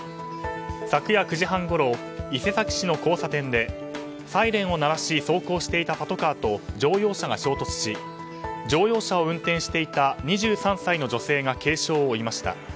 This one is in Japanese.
昨夜９時半ごろ伊勢崎市の交差点でサイレンを鳴らし走行していたパトカーと乗用車が衝突し乗用車を運転していた２３歳の女性が軽傷を負いました。